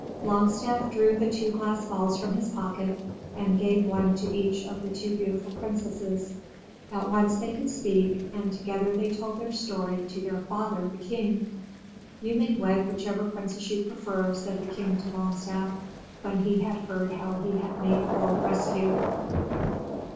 Longstaff drew the two glass balls from his pocket and gave one to each of the two beautiful princesses. At once they could speak, and together they told their story to their father, the king. "You may wed whichever princess you prefer," said the king to Longstaff when he had heard how he had made the bold rescue.